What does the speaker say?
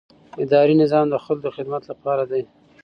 اداري نظام د خلکو د خدمت لپاره دی.